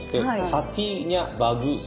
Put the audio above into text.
「ハティーニャバグース」。